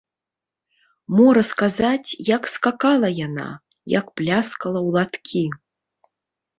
Мо расказаць, як скакала яна, як пляскала ў ладкі?